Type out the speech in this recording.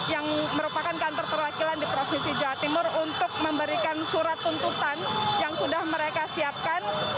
yang merupakan kantor perwakilan di provinsi jawa timur untuk memberikan surat tuntutan yang sudah mereka siapkan